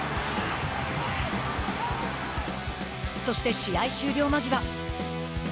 そして、試合終了間際。